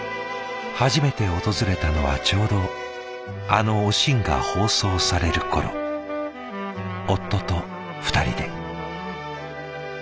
初めて訪れたのはちょうどあの「おしん」が放送される頃夫と２人で。